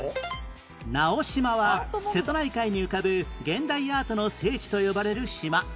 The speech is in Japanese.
直島は瀬戸内海に浮かぶ現代アートの聖地と呼ばれる島